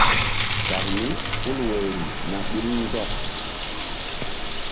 Kan mí hul woyri na ɓil ndɔk.